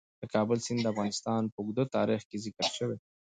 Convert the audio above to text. د کابل سیند د افغانستان په اوږده تاریخ کې ذکر شوی.